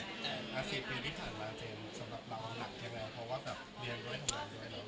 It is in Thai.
อ่า๔๐ปีที่ผ่านมาสำหรับเราหนักยังไง